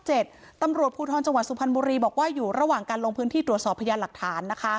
จำหวัดสุพันธบุรีบอกว่ายูระหว่างการลงพื้นที่ตรวจสอบพยานหลักฐาน